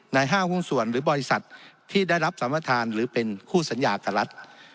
๕หุ้นส่วนหรือบริษัทที่ได้รับสัมประธานหรือเป็นคู่สัญญากับรัฐ